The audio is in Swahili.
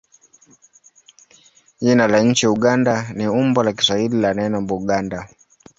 Jina la nchi Uganda ni umbo la Kiswahili la neno Buganda.